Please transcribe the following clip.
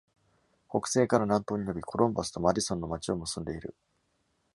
北西から南東に延び、コロンバスとマディソンの街を結んでいる。